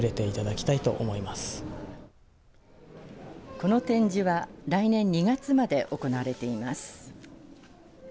この展示は来年２月まで行われています。